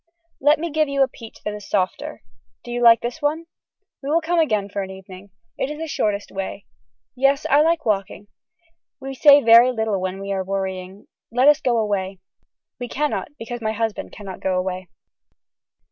Let me give you a peach that is softer. Do you like this one. We will come again for an evening. This is the shortest way. Yes I like walking. We say very little when we are worrying. Let us go away. We cannot because my husband cannot go away.